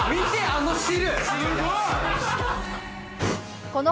あの汁。